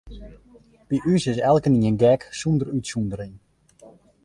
By ús is elkenien gek, sûnder útsûndering.